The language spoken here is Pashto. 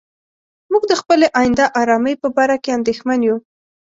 موږ د خپلې آینده آرامۍ په باره کې اندېښمن یو.